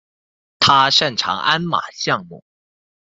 他擅长鞍马项目。